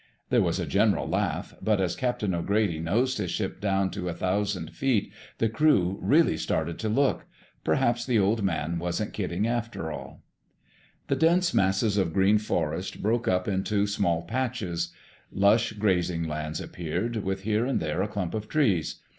There was a general laugh, but as Captain O'Grady nosed his ship down to a thousand feet the crew really started to look. Perhaps the Old Man wasn't kidding after all. The dense masses of green forest broke up into small patches. Lush grazing lands appeared, with here and there a clump of trees.